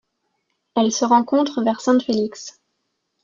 Elle se rencontre vers San Félix.